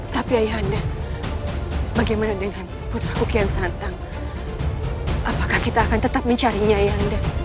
tapi ayah anda bagaimana dengan putraku yang santang apakah kita akan tetap mencarinya yanda